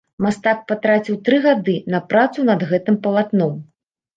Мастак патраціў тры гады на працу над гэтым палатном.